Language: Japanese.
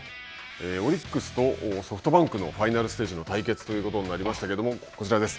オリックスとソフトバンクのファイナルステージの対決ということになりましたけど、こちらです。